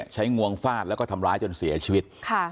งวงฟาดแล้วก็ทำร้ายจนเสียชีวิต